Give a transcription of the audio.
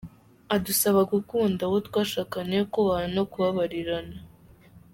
Adusaba gukunda uwo twashakanye, kubahana no kubabarirana.